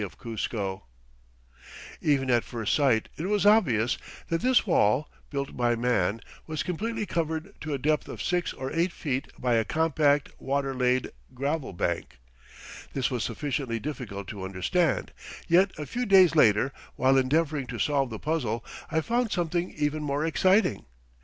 FIGURE Huatanay Vallye, Cuzco, and the Ayahuaycco Quebrada Even at first sight it was obvious that this wall, built by man, was completely covered to a depth of six or eight feet by a compact water laid gravel bank. This was sufficiently difficult to understand, yet a few days later, while endeavoring to solve the puzzle, I found something even more exciting.